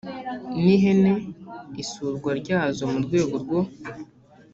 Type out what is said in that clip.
n ihene isurwa ryazo mu rwego rwo